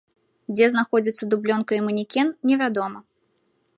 Дзе знаходзяцца дублёнка і манекен, невядома.